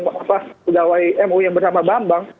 apa pegawai mui yang bertemu